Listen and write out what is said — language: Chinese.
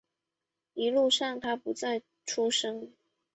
一路上他不再出声